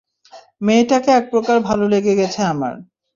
মেয়েটাকে এক প্রকার ভালো লেগে গেছে আমার।